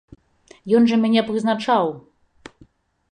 Ён жа мяне прызначаў!